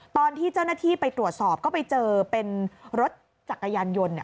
ตอนที่เจ้าหน้าที่ไปตรวจสอบก็ไปเจอเป็นรถจักรยานยนต์